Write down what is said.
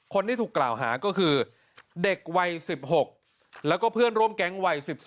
คนที่ถูกกล่าวหาก็คือเด็กวัย๑๖แล้วก็เพื่อนร่วมแก๊งวัย๑๔